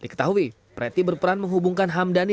diketahui preti berperan menghubungkan hamdani